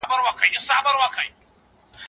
د شیدو په هضم کې لېکټوز مهم رول لري.